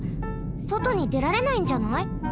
そとにでられないんじゃない？